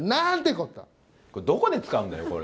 これ、どこで使うんだよ、これ。